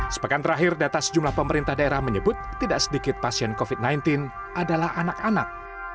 sepekan terakhir data sejumlah pemerintah daerah menyebut tidak sedikit pasien covid sembilan belas adalah anak anak